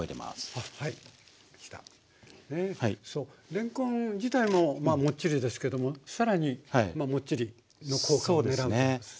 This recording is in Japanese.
れんこん自体もまあもっちりですけども更にまあもっちりの効果を狙うんですね？